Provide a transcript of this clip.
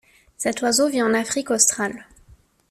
Cet oiseau vit en Afrique australe.